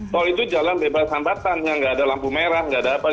tol itu jalan bebas hambatan yang nggak ada lampu merah nggak ada apa gitu loh